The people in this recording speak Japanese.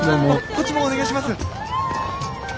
こっちもお願いします。